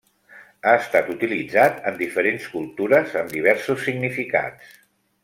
Ha estat utilitzat en diferents cultures amb diversos significats.